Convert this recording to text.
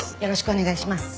お願いします。